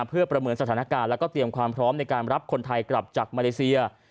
เพื่อประเมินสถานการณ์แล้วก็เตรียมความพร้อมในการรับคนไทยกลับจากมาเลเซีย